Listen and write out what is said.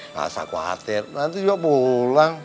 nggak usah khawatir nanti juga pulang